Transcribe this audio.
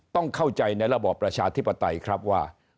ต้องเข้าใจในระบอบประชาธิปไตยครับว่า